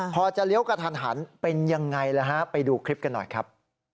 พอจะเลี้ยวกระทันหันเป็นยังไงล่ะฮะไปดูคลิปกันหน่อยครับ